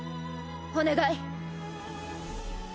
お願い。